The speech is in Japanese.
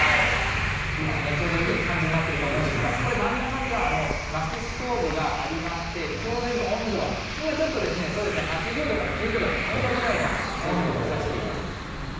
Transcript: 今ね、ちょうどいい感じになっていると思うんですが、これ、真ん中にはまきストーブがありまして、ちょうど今、温度は今ちょっとですね、そうですね、８０度から９０度の間ぐらいの温度を指しています。